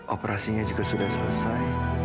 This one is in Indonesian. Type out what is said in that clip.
operasinya juga sudah selesai